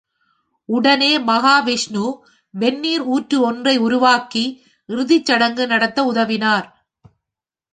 உடனே மகா விஷ்ணு வெந்நீர் ஊற்று ஒன்றை உருவாக்கி இறுதிச் சடங்கு நடத்த உதவினார்.